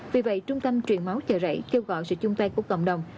vì vậy trung tâm truyền máu chợ rẫy kêu gọi sự chung tay của cộng đồng